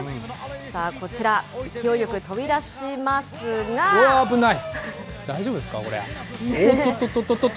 さあ、こちら、勢いよく飛び出しうわー、危ない。